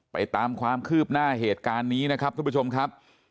ตามความคืบหน้าเหตุการณ์นี้นะครับทุกผู้ชมครับ